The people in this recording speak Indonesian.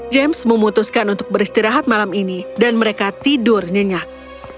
james memutuskan untuk beristirahat malam ini dan mereka tidur nyenyak